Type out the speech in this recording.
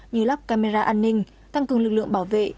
như lắp camera an ninh tăng cường lực lượng bảo vệ